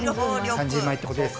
３０枚ってことです。